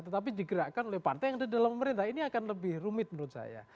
tetapi digerakkan oleh partai yang ada di dalam pemerintah ini akan lebih rumit menurut saya